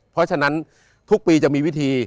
เพราะฉะนั้นทุกปีจะมีวิธี